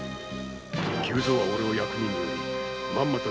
久蔵は俺を役人に売りまんまと